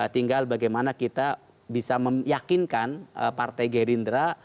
tinggal bagaimana kita bisa meyakinkan partai gai rindra